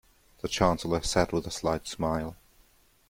The Chancellor said with a slight smile.